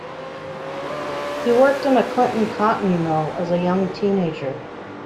He worked in a Clinton cotton mill as a young teenager.